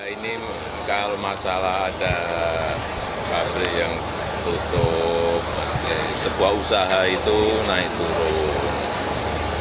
ini kalau masalah ada pabrik yang tutup sebuah usaha itu naik turun